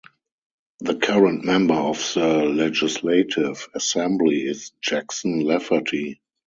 The current Member of the Legislative Assembly is Jackson Lafferty.